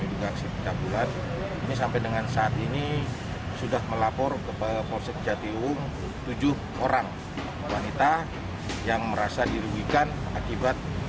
ini sampai dengan saat ini sudah melapor ke polsek jatiwung tujuh orang wanita yang merasa dirugikan akibat pencabulan